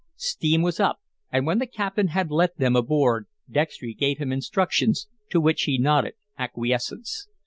Steam was up, and when the Captain had let them aboard Dextry gave him instructions, to which he nodded acquiescence.